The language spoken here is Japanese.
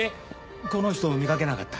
この人見かけなかった？